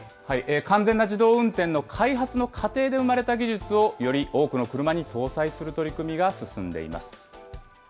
完全な自動運転の開発の過程で生まれた技術を、より多くの車に搭載する取り組みが進んでいます。